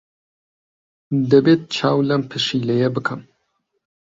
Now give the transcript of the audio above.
دەبێت چاو لەم پشیلەیە بکەم.